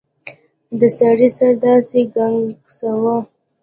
د سړي سر داسې ګنګساوه.